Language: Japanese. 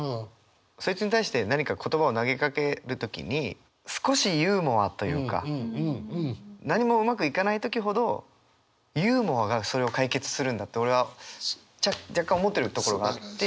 そいつに対して何か言葉を投げかける時に少しユーモアというか何もうまくいかない時ほどユーモアがそれを解決するんだって俺は若干思ってるところがあって。